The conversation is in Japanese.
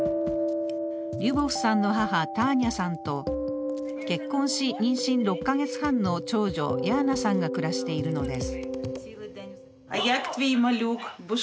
リュバさんの母・ターニャさんと結婚し、妊娠６か月半の長女・ヤーナさんが暮らしているのです。